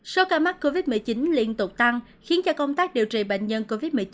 số ca mắc covid một mươi chín liên tục tăng khiến cho công tác điều trị bệnh nhân covid một mươi chín